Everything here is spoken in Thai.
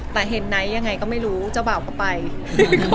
แต่เฮนไนท์ยังไงก็ไม่รู้จะบ่าก็ไปก็เลย